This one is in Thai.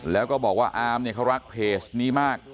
แล้วก็บอกว่าอามเนี่ยเขารักเพจนี้มาก